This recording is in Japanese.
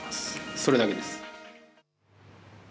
それだけです。